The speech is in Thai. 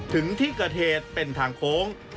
ถึงที่เกิดเหตุเป็นทางโค้ง